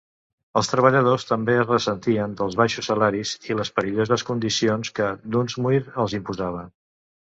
Els treballadors també es ressentien dels baixos salaris i les perilloses condicions que Dunsmuir els imposava.